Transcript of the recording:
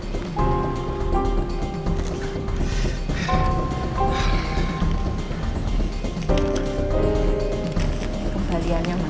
cepet kembaliannya mas